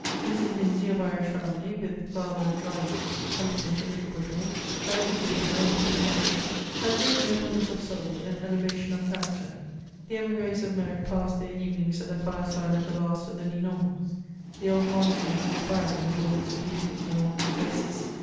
Mrs. Lindsay, of Irish family, with rather a dry wit, tempera ment a little brittle, elegant figure, and pleanng face, had great nobleness of soul and elevation of character; the emigres of merit passed their evenings at the fireside of the last of the l*4inons. The old monarchy was expiring, with all its abuses and all its graces.